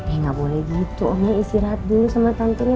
eh gak boleh gitu omnya istirahat dulu sama tantenya